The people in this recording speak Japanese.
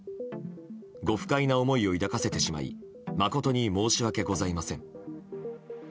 ご不快な思いを抱かせてしまい誠に申し訳ございません。